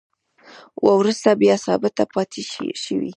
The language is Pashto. وروسته بیا ثابته پاتې شوې